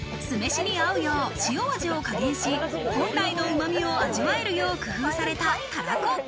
酢飯に合うよう、塩味を加減し、本来のうまみを味わえるよう工夫された、たらこ。